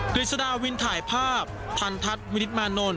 ฤษฎาวินถ่ายภาพทันทัศน์วินิตมานนท